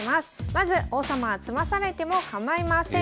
まず王様は詰まされても構いません。